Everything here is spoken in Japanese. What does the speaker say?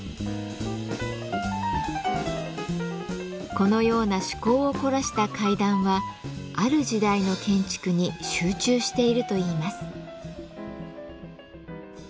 このような趣向を凝らした階段はある時代の建築に集中しているといいます。